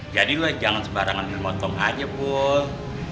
jadi lu jangan sebarangan dimotong aja puh